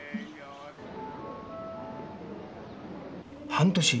半年？